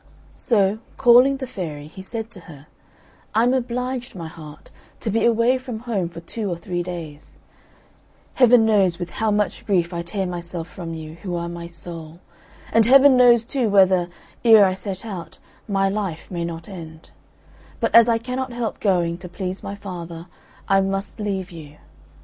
So, calling the fairy, he said to her, "I am obliged, my heart, to be away from home for two or three days; Heaven knows with how much grief I tear myself from you, who are my soul; and Heaven knows too whether, ere I set out, my life may not end; but as I cannot help going, to please my father, I must leave you.